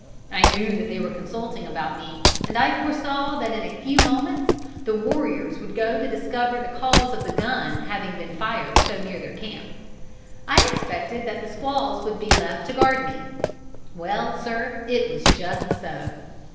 I knew that they were consulting about me, and I foresaw that in a few moments the warriors would go to discover the cause of the gun having been fired so near their camp. I expected that the squaws would be left to guard me. Well, sir, it was just so.